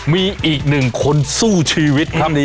มีอีกหนึ่งคนสู้ชีวิตครับ